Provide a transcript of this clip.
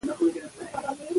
د جګړې لمبې په مینه مړې کړئ.